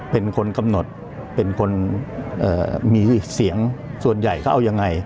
เป็นคนกำหนดเป็นคนมีเสียงส่วนใหญ่เขาเอายังไง